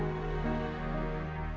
bukan dengan nama tiara